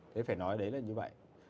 thế phải nói đấy là như vậy